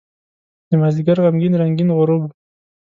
دمازدیګر غمګین رنګین غروب